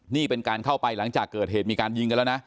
นี่เป็นการเข้าไปหลังจากเกิดเหตุมีการยิงกันแล้วนะ